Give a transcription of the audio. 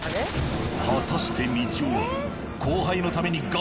果たしてみちおは。